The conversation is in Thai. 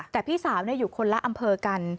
แต่พี่สาวอยู่คนละอำเภอกัน